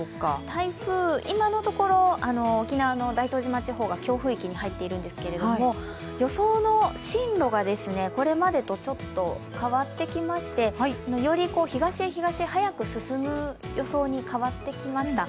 台風、今のところ、沖縄の大東島地方が強風域に入ってるんですが予想の進路が、これまでとちょっと変わってきまして、より東へ東へ、早く進む予想に変わってきました。